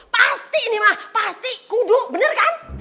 pasti ini mah pasti kudu bener kan